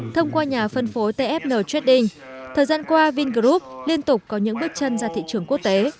thông qua nhà phân phối tfn trading thời gian qua vingroup liên tục có những bước chân ra thị trường quốc tế